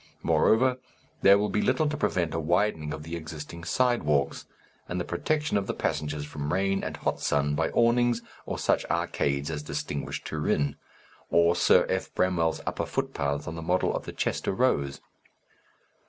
Moreover, there will be little to prevent a widening of the existing side walks, and the protection of the passengers from rain and hot sun by awnings, or such arcades as distinguish Turin, or Sir F. Bramwell's upper footpaths on the model of the Chester rows.